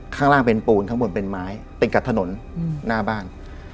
ข้างล่างเป็นปูนข้างบนเป็นไม้เป็นกับถนนหน้าบ้าน